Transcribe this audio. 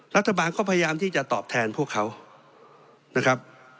รัฐบาลก็พยายามที่จะตอบแทนพวกเขานะครับ